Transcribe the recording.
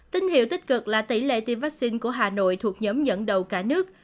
tin hiệu tích cực là tỷ lệ tiêm vaccine của hà nội thuộc nhóm dẫn đầu cả nước